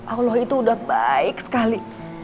allah itu udah baik sekali